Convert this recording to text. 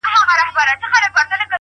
څوک انتظار کړي؛ ستا د حُسن تر لمبې پوري؛